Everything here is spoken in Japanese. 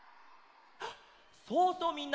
そうそうみんな！